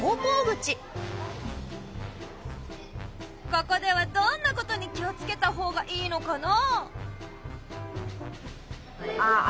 ここではどんなことに気をつけたほうがいいのかな？